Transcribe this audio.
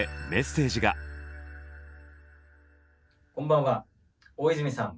こんばんは大泉さん